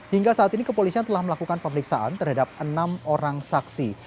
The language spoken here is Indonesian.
hingga saat ini kepolisian telah melakukan pemeriksaan terhadap enam orang saksi